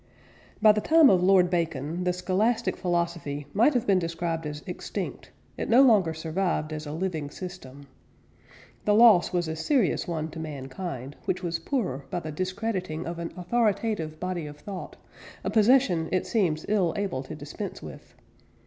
By the time of Lord Bacon, the Scholastic philosophy might have been described as extinct; it no longer survived as a living system. The loss was a serious one to mankind, which was poorer by the discrediting of an authoritative body of thought, a possession it seems ill able to dispense with.